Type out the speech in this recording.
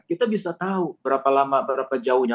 kita bisa tahu berapa lama berapa jauhnya